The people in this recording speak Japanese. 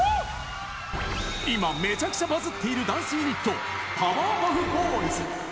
今、めちゃくちゃバズっているダンスユニット、パワーパフボーイズ。